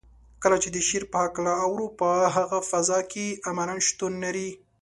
کله چې د شعر په هکله اورو په هغه فضا کې عملاً شتون لرو.